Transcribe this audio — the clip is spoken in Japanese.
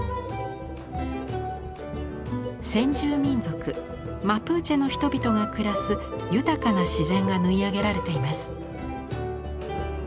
先住民族マプーチェの人々が暮らす豊かな自然が縫い上げられています。